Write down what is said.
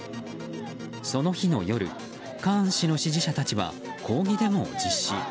その日の夜カーン氏の支持者たちは抗議デモを実施。